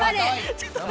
ちょっと。